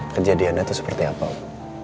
kejadiannya itu seperti apa ibu